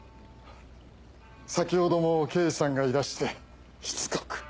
先ほども刑事さんがいらしてしつこく。